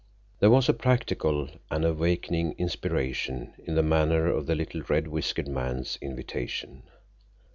There was a practical and awakening inspiration in the manner of the little red whiskered man's invitation.